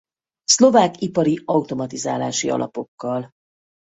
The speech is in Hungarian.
Szlovák ipari automatizálási alapokkal.